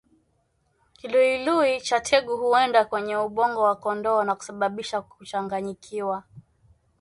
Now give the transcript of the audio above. Kiluilui cha tegu huenda kwenye ubongo wa kondoo na kusababisha kuchanganyikiwa